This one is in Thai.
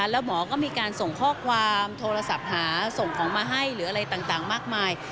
แล้วหมอก็มีการส่งข้อความโทรศัพท์หาส่งของมาให้หรืออะไรต่างมากมาย